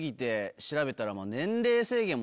調べたら。